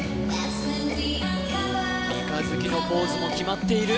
三日月のポーズも決まっている